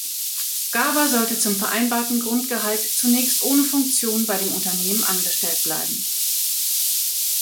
Garber sollte zum vereinbarten Grundgehalt zunächst ohne Funktion bei dem Unternehmen angestellt bleiben.